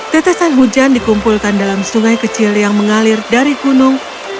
tetesan hujan dikumpulkan dalam sungai kecil yang mengalir dari gunung